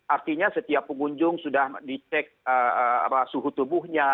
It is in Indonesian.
artinya setiap pengunjung sudah dicek suhu tubuhnya